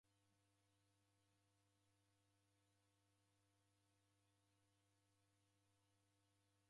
Iro mipande iw'i nderaw'iasikirana.